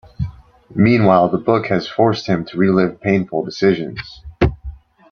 Meanwhile, the book has forced him to relive painful decisions.